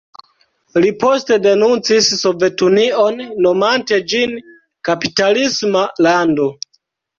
Li poste denuncis Sovetunion nomante ĝin kapitalisma lando.